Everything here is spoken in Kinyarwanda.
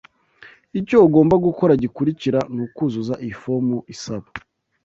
Icyo ugomba gukora gikurikira nukuzuza iyi fomu isaba.